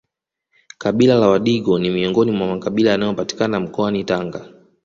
Kabila la wadigo ni miongoni mwa makabila yanayopatikana mkoani Tanga